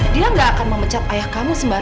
dan setelah ibu pikir